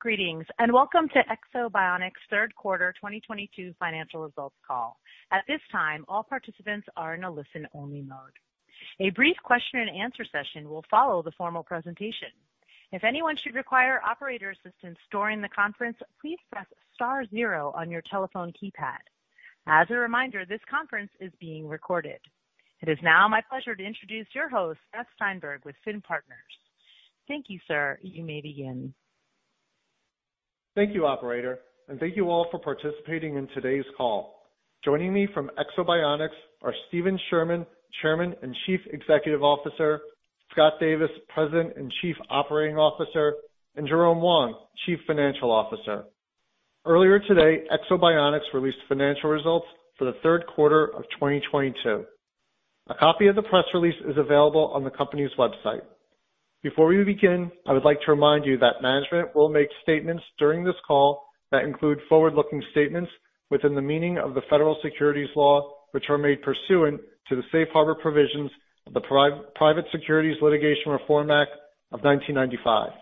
Greetings, and welcome to Ekso Bionics' third quarter 2022 financial results call. At this time, all participants are in a listen-only mode. A brief question and answer session will follow the formal presentation. If anyone should require operator assistance during the conference, please press star zero on your telephone keypad. As a reminder, this conference is being recorded. It is now my pleasure to introduce your host, Matt Steinberg with Finn Partners. Thank you, sir. You may begin. Thank you, operator, and thank you all for participating in today's call. Joining me from Ekso Bionics are Steven Sherman, Chairman and Chief Executive Officer, Scott Davis, President and Chief Operating Officer, and Jerome Wong, Chief Financial Officer. Earlier today, Ekso Bionics released financial results for the third quarter of 2022. A copy of the press release is available on the company's website. Before we begin, I would like to remind you that management will make statements during this call that include forward-looking statements within the meaning of the federal securities law, which are made pursuant to the Safe Harbor provisions of the Private Securities Litigation Reform Act of 1995.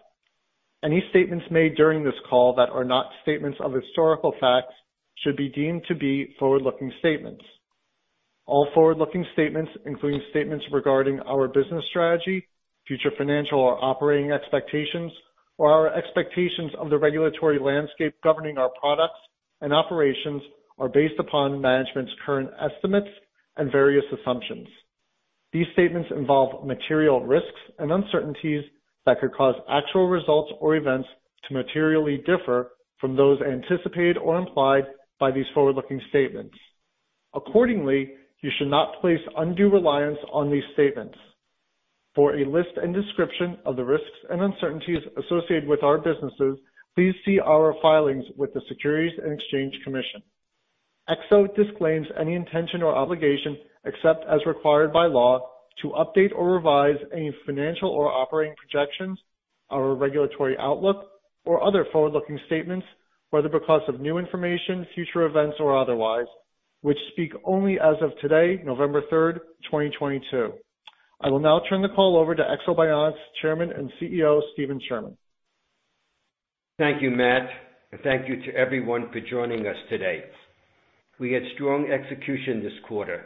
Any statements made during this call that are not statements of historical facts should be deemed to be forward-looking statements. All forward-looking statements, including statements regarding our business strategy, future financial or operating expectations, or our expectations of the regulatory landscape governing our products and operations, are based upon management's current estimates and various assumptions. These statements involve material risks and uncertainties that could cause actual results or events to materially differ from those anticipated or implied by these forward-looking statements. Accordingly, you should not place undue reliance on these statements. For a list and description of the risks and uncertainties associated with our businesses, please see our filings with the Securities and Exchange Commission. Ekso disclaims any intention or obligation, except as required by law, to update or revise any financial or operating projections, our regulatory outlook or other forward-looking statements, whether because of new information, future events or otherwise, which speak only as of today, November 3rd, 2022. I will now turn the call over to Ekso Bionics' Chairman and CEO, Steven Sherman. Thank you, Matt, and thank you to everyone for joining us today. We had strong execution this quarter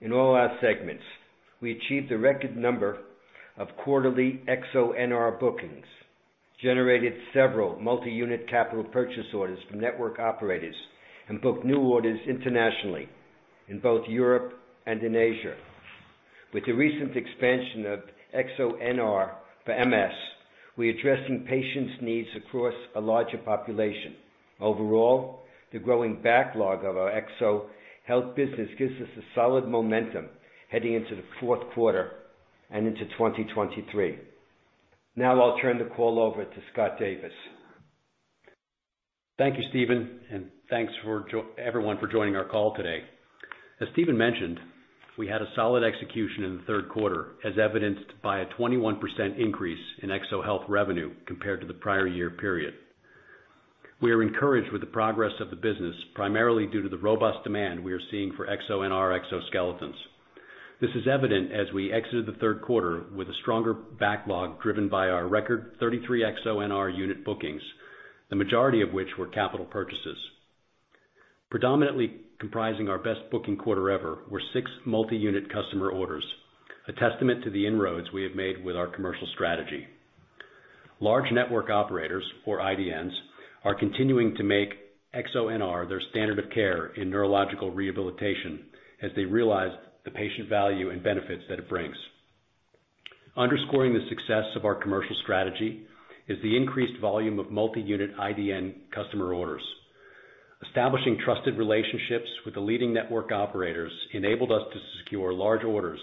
in all our segments. We achieved a record number of quarterly EksoNR bookings, generated several multi-unit capital purchase orders from network operators and booked new orders internationally in both Europe and in Asia. With the recent expansion of EksoNR for MS, we're addressing patients' needs across a larger population. Overall, the growing backlog of our EksoHealth business gives us a solid momentum heading into the fourth quarter and into 2023. Now I'll turn the call over to Scott Davis. Thank you, Steven, and thanks, everyone, for joining our call today. As Steven mentioned, we had a solid execution in the third quarter, as evidenced by a 21% increase in EksoHealth revenue compared to the prior year period. We are encouraged with the progress of the business, primarily due to the robust demand we are seeing for EksoNR exoskeletons. This is evident as we exited the third quarter with a stronger backlog driven by our record 33 EksoNR unit bookings, the majority of which were capital purchases. Predominantly comprising our best booking quarter ever were six multi-unit customer orders, a testament to the inroads we have made with our commercial strategy. Large network operators or IDNs are continuing to make EksoNR their standard of care in neurological rehabilitation as they realize the patient value and benefits that it brings. Underscoring the success of our commercial strategy is the increased volume of multi-unit IDN customer orders. Establishing trusted relationships with the leading network operators enabled us to secure large orders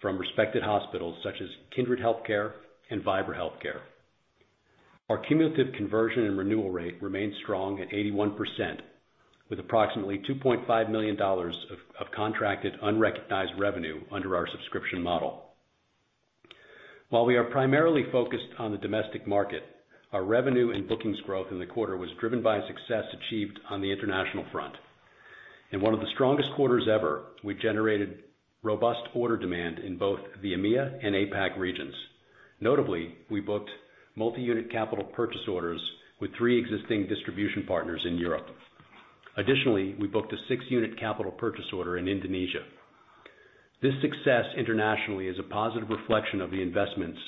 from respected hospitals such as Kindred Healthcare and Vibra Healthcare. Our cumulative conversion and renewal rate remains strong at 81%, with approximately $2.5 million of contracted unrecognized revenue under our subscription model. While we are primarily focused on the domestic market, our revenue and bookings growth in the quarter was driven by success achieved on the international front. In one of the strongest quarters ever, we generated robust order demand in both the EMEA and APAC regions. Notably, we booked multi-unit capital purchase orders with three existing distribution partners in Europe. Additionally, we booked a six-unit capital purchase order in Indonesia. This success internationally is a positive reflection of the investments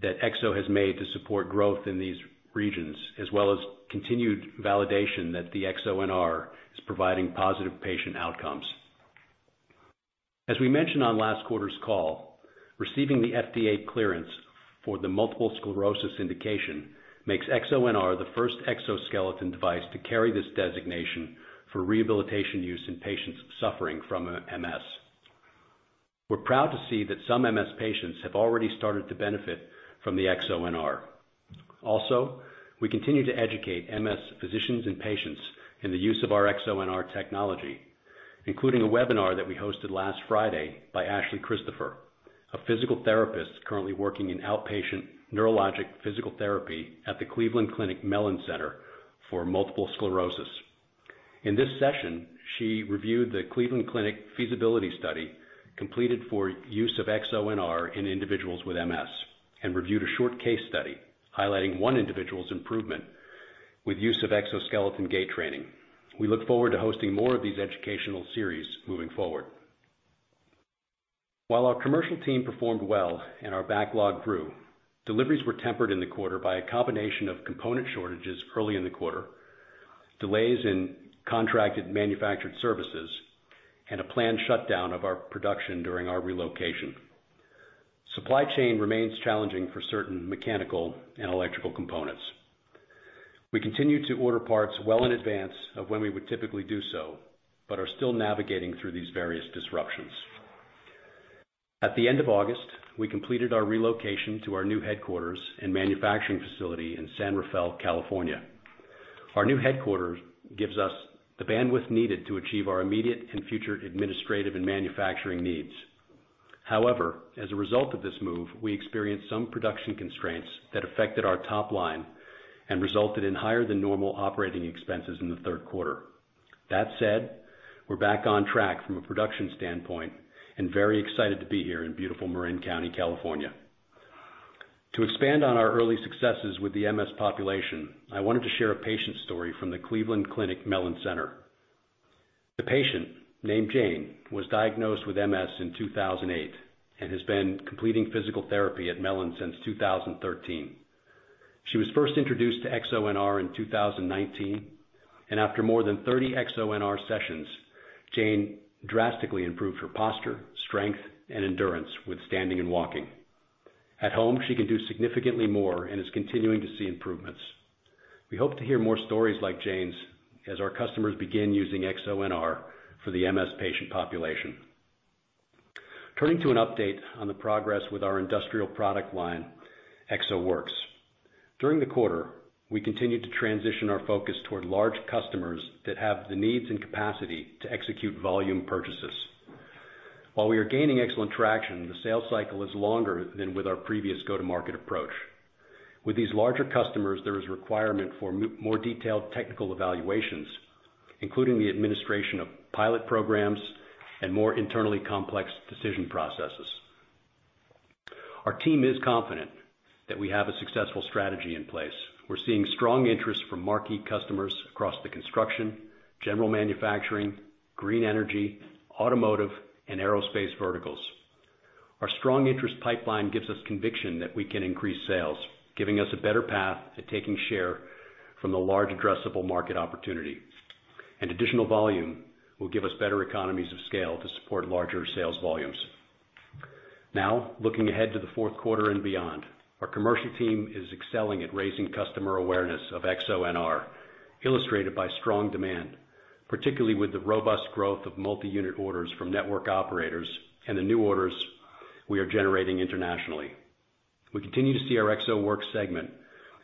that Ekso has made to support growth in these regions, as well as continued validation that the EksoNR is providing positive patient outcomes. As we mentioned on last quarter's call, receiving the FDA clearance for the multiple sclerosis indication makes EksoNR the first exoskeleton device to carry this designation for rehabilitation use in patients suffering from MS. We're proud to see that some MS patients have already started to benefit from the EksoNR. Also, we continue to educate MS physicians and patients in the use of our EksoNR technology, including a webinar that we hosted last Friday by Ashley Christopher, a physical therapist currently working in outpatient neurologic physical therapy at the Cleveland Clinic Mellen Center for Multiple Sclerosis. In this session, she reviewed the Cleveland Clinic feasibility study completed for use of EksoNR in individuals with MS, and reviewed a short case study highlighting one individual's improvement with use of exoskeleton gait training. We look forward to hosting more of these educational series moving forward. While our commercial team performed well and our backlog grew, deliveries were tempered in the quarter by a combination of component shortages early in the quarter, delays in contracted manufactured services, and a planned shutdown of our production during our relocation. Supply chain remains challenging for certain mechanical and electrical components. We continue to order parts well in advance of when we would typically do so, but are still navigating through these various disruptions. At the end of August, we completed our relocation to our new headquarters and manufacturing facility in San Rafael, California. Our new headquarters gives us the bandwidth needed to achieve our immediate and future administrative and manufacturing needs. However, as a result of this move, we experienced some production constraints that affected our top line and resulted in higher than normal operating expenses in the third quarter. That said, we're back on track from a production standpoint and very excited to be here in beautiful Marin County, California. To expand on our early successes with the MS population, I wanted to share a patient story from the Cleveland Clinic Mellen Center. The patient, named Jane, was diagnosed with MS in 2008 and has been completing physical therapy at Mellen since 2013. She was first introduced to EksoNR in 2019, and after more than 30 EksoNR sessions, Jane drastically improved her posture, strength, and endurance with standing and walking. At home, she can do significantly more and is continuing to see improvements. We hope to hear more stories like Jane's as our customers begin using EksoNR for the MS patient population. Turning to an update on the progress with our industrial product line, EksoWorks. During the quarter, we continued to transition our focus toward large customers that have the needs and capacity to execute volume purchases. While we are gaining excellent traction, the sales cycle is longer than with our previous go-to-market approach. With these larger customers, there is requirement for more detailed technical evaluations, including the administration of pilot programs and more internally complex decision processes. Our team is confident that we have a successful strategy in place. We're seeing strong interest from marquee customers across the construction, general manufacturing, green energy, automotive, and aerospace verticals. Our strong interest pipeline gives us conviction that we can increase sales, giving us a better path at taking share from the large addressable market opportunity. Additional volume will give us better economies of scale to support larger sales volumes. Now, looking ahead to the fourth quarter and beyond, our commercial team is excelling at raising customer awareness of EksoNR, illustrated by strong demand, particularly with the robust growth of multi-unit orders from network operators and the new orders we are generating internationally. We continue to see our EksoWorks segment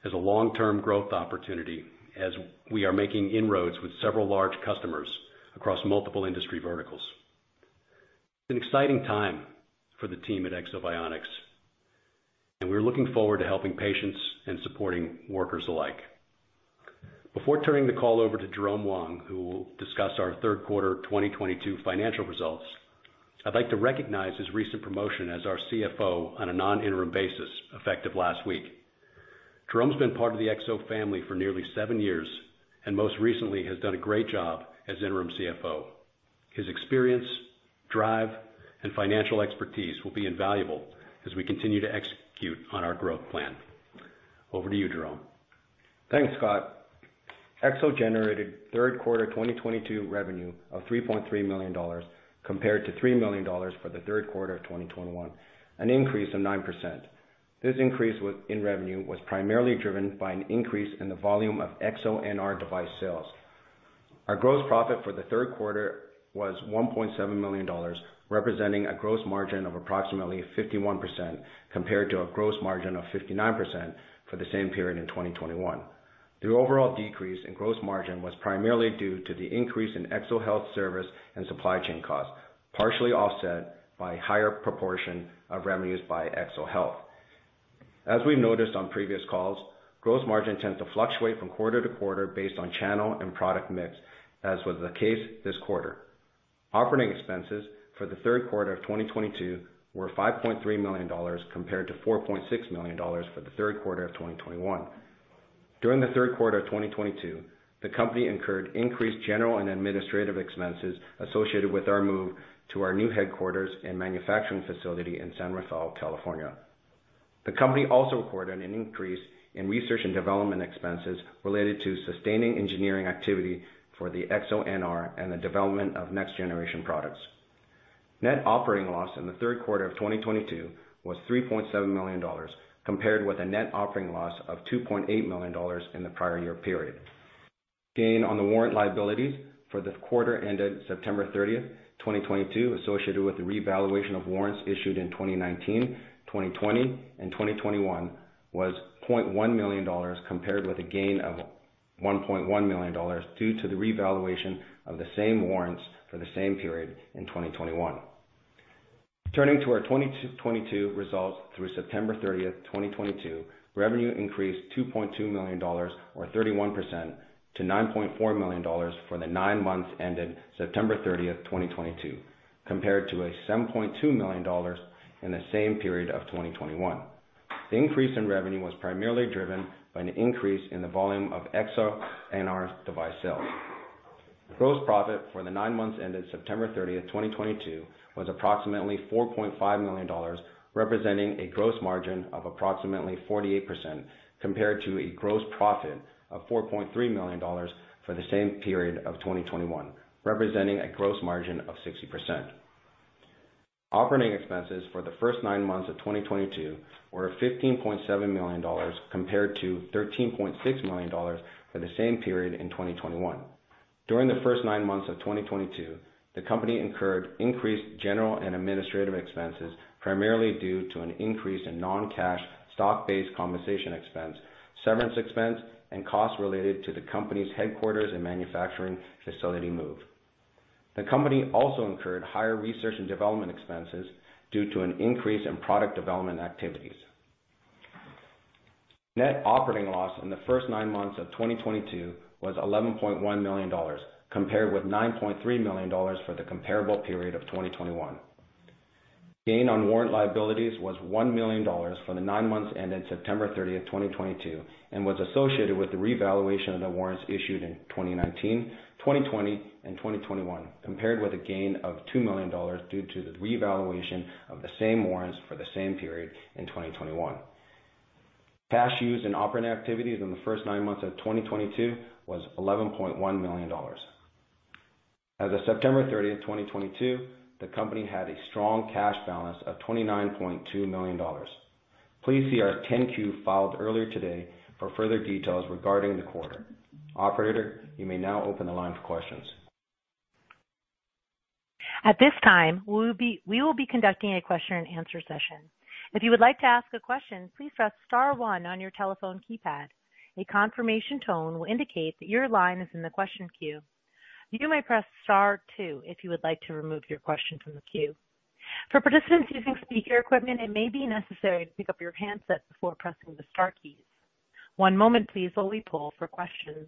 as a long-term growth opportunity as we are making inroads with several large customers across multiple industry verticals. It's an exciting time for the team at Ekso Bionics, and we're looking forward to helping patients and supporting workers alike. Before turning the call over to Jerome Wong, who will discuss our third quarter 2022 financial results, I'd like to recognize his recent promotion as our CFO on a non-interim basis effective last week. Jerome's been part of the Ekso family for nearly seven years, and most recently has done a great job as interim CFO. His experience, drive, and financial expertise will be invaluable as we continue to execute on our growth plan. Over to you, Jerome. Thanks, Scott. Ekso generated third quarter 2022 revenue of $3.3 million compared to $3 million for the third quarter of 2021, an increase of 9%. This increase in revenue was primarily driven by an increase in the volume of EksoNR device sales. Our gross profit for the third quarter was $1.7 million, representing a gross margin of approximately 51% compared to a gross margin of 59% for the same period in 2021. The overall decrease in gross margin was primarily due to the increase in EksoHealth service and supply chain costs, partially offset by higher proportion of revenues by EksoHealth. As we've noticed on previous calls, gross margin tends to fluctuate from quarter to quarter based on channel and product mix, as was the case this quarter. Operating expenses for the third quarter of 2022 were $5.3 million compared to $4.6 million for the third quarter of 2021. During the third quarter of 2022, the company incurred increased general and administrative expenses associated with our move to our new headquarters and manufacturing facility in San Rafael, California. The company also recorded an increase in research and development expenses related to sustaining engineering activity for the EksoNR and the development of next generation products. Net operating loss in the third quarter of 2022 was $3.7 million, compared with a net operating loss of $2.8 million in the prior year period. Gain on the warrant liabilities for the quarter ended September 30th, 2022, associated with the revaluation of warrants issued in 2019, 2020, and 2021 was $0.1 million, compared with a gain of $1.1 million due to the revaluation of the same warrants for the same period in 2021. Turning to our 2022 results through September 30th, 2022, revenue increased $2.2 million or 31% to $9.4 million for the nine months ended September 30th, 2022, compared to $7.2 million in the same period of 2021. The increase in revenue was primarily driven by an increase in the volume of EksoNR device sales. Gross profit for the nine months ended September 30th, 2022 was approximately $4.5 million, representing a gross margin of approximately 48% compared to a gross profit of $4.3 million for the same period of 2021, representing a gross margin of 60%. Operating expenses for the first nine months of 2022 were $15.7 million compared to $13.6 million for the same period in 2021. During the first nine months of 2022, the company incurred increased general and administrative expenses, primarily due to an increase in non-cash stock-based compensation expense, severance expense and costs related to the company's headquarters and manufacturing facility move. The company also incurred higher research and development expenses due to an increase in product development activities. Net operating loss in the first nine months of 2022 was $11.1 million, compared with $9.3 million for the comparable period of 2021. Gain on warrant liabilities was $1 million for the nine months ended September 30th, 2022, and was associated with the revaluation of the warrants issued in 2019, 2020 and 2021, compared with a gain of $2 million due to the revaluation of the same warrants for the same period in 2021. Cash used in operating activities in the first nine months of 2022 was $11.1 million. As of September 30th, 2022, the company had a strong cash balance of $29.2 million. Please see our 10-Q filed earlier today for further details regarding the quarter. Operator, you may now open the line for questions. At this time, we will be conducting a question and answer session. If you would like to ask a question, please press star one on your telephone keypad. A confirmation tone will indicate that your line is in the question queue. You may press star two if you would like to remove your question from the queue. For participants using speaker equipment, it may be necessary to pick up your handset before pressing the star keys. One moment please while we poll for questions.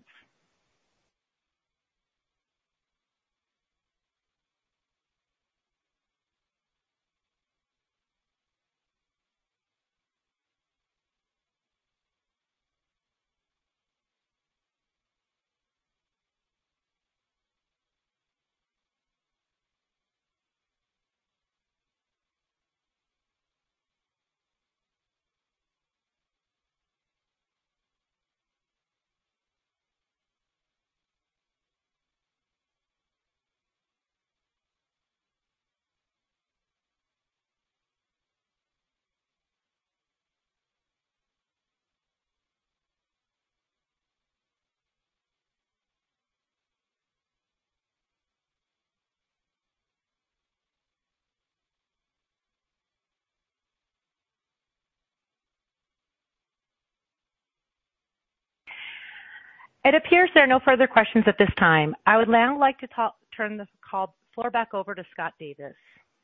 It appears there are no further questions at this time. I would now like to turn the call back over to Scott Davis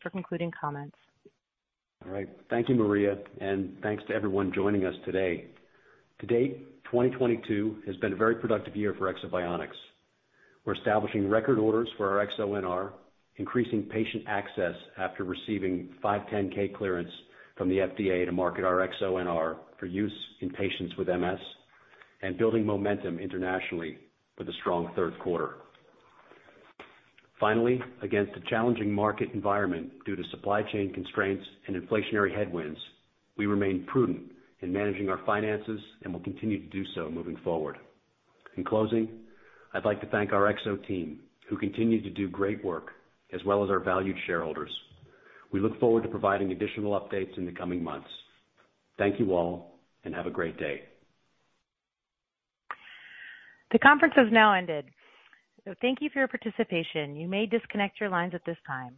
for concluding comments. All right. Thank you, Maria, and thanks to everyone joining us today. To date, 2022 has been a very productive year for Ekso Bionics. We're establishing record orders for our EksoNR, increasing patient access after receiving 510(k) clearance from the FDA to market our EksoNR for use in patients with MS and building momentum internationally with a strong third quarter. Finally, against a challenging market environment due to supply chain constraints and inflationary headwinds, we remain prudent in managing our finances and will continue to do so moving forward. In closing, I'd like to thank our Ekso team who continue to do great work as well as our valued shareholders. We look forward to providing additional updates in the coming months. Thank you all and have a great day. The conference has now ended. Thank you for your participation. You may disconnect your lines at this time.